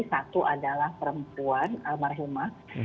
satu adalah perempuan almarhumah